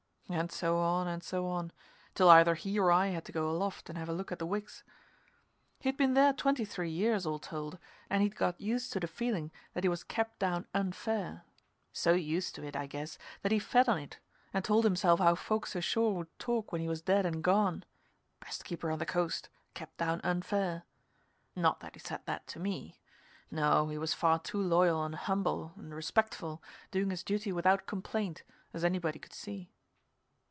And so on and so on, till either he or I had to go aloft and have a look at the wicks. He'd been there twenty three years, all told, and he'd got used to the feeling that he was kept down unfair so used to it, I guess, that he fed on it, and told himself how folks ashore would talk when he was dead and gone best keeper on the coast kept down unfair. Not that he said that to me. No, he was far too loyal and humble and respectful, doing his duty without complaint, as anybody could see.